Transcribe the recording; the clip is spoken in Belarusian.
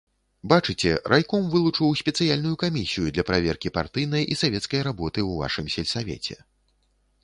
Бачыце, райком вылучыў спецыяльную камісію для праверкі партыйнай і савецкай работы ў вашым сельсавеце.